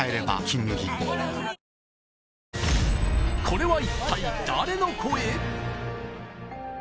これは一体誰の声？